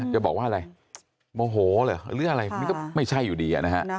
จะบอกว่าอะไรโมโหเหรอหรืออะไรมันก็ไม่ใช่อยู่ดีนะฮะ